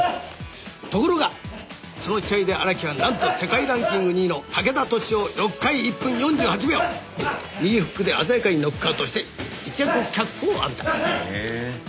「ところがその試合で荒木はなんと世界ランキング２位の武田俊夫を６回１分４８秒右フックで鮮やかにノックアウトして一躍脚光を浴びた」へえ。